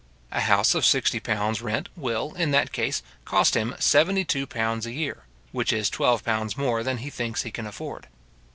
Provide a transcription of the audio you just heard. A house of sixty pounds rent will, in that case, cost him seventy two pounds a year, which is twelve pounds more than he thinks he can afford.